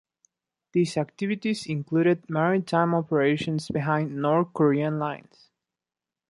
These activities included maritime operations behind North Korean lines.